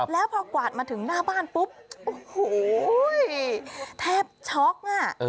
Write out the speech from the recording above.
แล้วพอกวาดมาถึงหน้าบ้านปุ๊บโอ้โหแทบช็อกอ่ะ